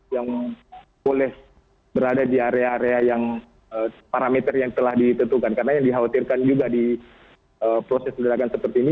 yang boleh berada di area area yang parameter yang telah ditentukan karena yang dikhawatirkan juga di proses ledakan seperti ini